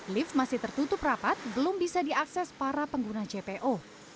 lift masih tertutup rapat belum bisa diakses para pengguna jpo